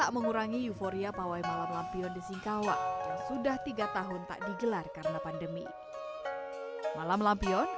kepada masyarakat di bawah yang menonton